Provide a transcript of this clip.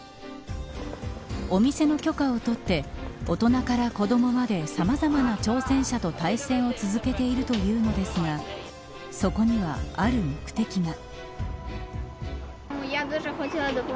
お店の許可を取って大人から子どもまでさまざまな挑戦者と対戦を続けているというのですがそこには、ある目的が。